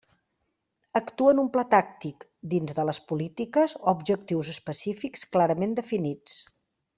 Actua en un pla tàctic, dins de les polítiques o objectius específics clarament definits.